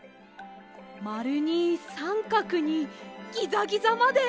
まるにさんかくにギザギザまで！